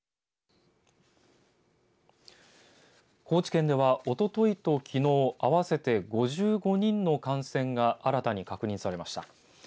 高知県では、おとといときのう合わせて５５人の感染が新たに確認されました。